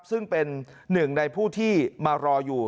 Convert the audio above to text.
ซึ่งเป็นหนึ่งในผู้ที่มารออยู่